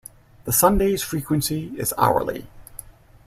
The Sundays frequency is hourly.